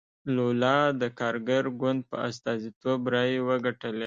لولا د کارګر ګوند په استازیتوب رایې وګټلې.